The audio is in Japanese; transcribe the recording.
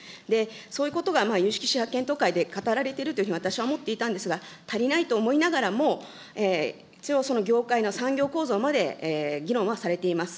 そういうことが有識者検討会で語られているというふうに私は思っていたんですが、足りないと思いながらも、一応、その業界の産業構造まで議論はされています。